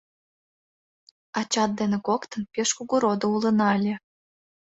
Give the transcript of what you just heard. Ачат дене коктын пеш кугу родо улына ыле.